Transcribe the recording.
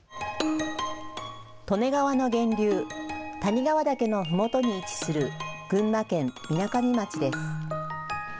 利根川の源流、谷川岳のふもとに位置する群馬県みなかみ町です。